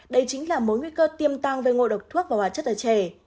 đây chính là mối nguy cơ tiêm tăng về ngộ độc thuốc và hóa chất ở trẻ